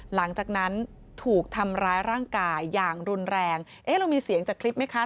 หลังจากนั้นถูกทำร้ายร่างกายอย่างรุนแรงเอ๊ะเรามีเสียงจากคลิปไหมคะ